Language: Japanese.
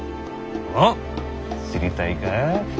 おっ知りたいか？